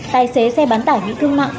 tài xế xe bán tải bị cưng mặn